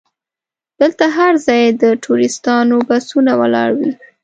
دلته هر ځای د ټوریستانو بسونه ولاړ وي.